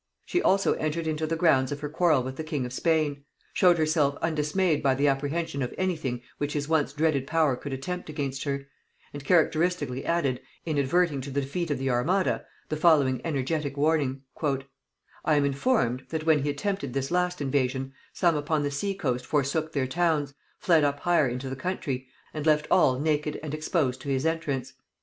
She also entered into the grounds of her quarrel with the king of Spain; showed herself undismayed by the apprehension of any thing which his once dreaded power could attempt against her; and characteristically added, in adverting to the defeat of the armada, the following energetic warning: "I am informed, that when he attempted this last invasion, some upon the sea coast forsook their towns, fled up higher into the country, and left all naked and exposed to his entrance.